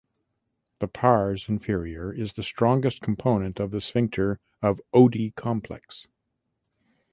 The pars inferior is the strongest component of the sphincter of Oddi complex.